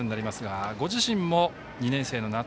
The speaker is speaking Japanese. ご自身も２年生の夏